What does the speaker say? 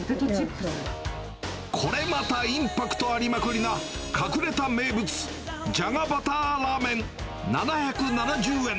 これまたインパクトありまくりな、隠れた名物、じゃがバターラーメン７７０円。